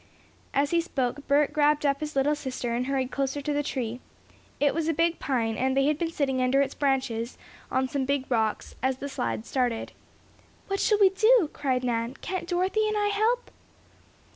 As he spoke Bert grabbed up his little sister and hurried closer to the tree. It was a big pine, and they had been sitting under its branches, on some big rocks, as the slide started. "What shall we do?" cried Nan. "Can't Dorothy and I help?"